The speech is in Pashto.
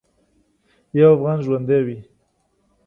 یو افغان ژوندی وي.